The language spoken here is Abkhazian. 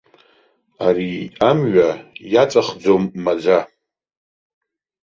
Ари амҩа иаҵәахӡом маӡа.